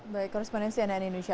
baik korrespondensi nni indonesia